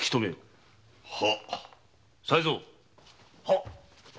才三！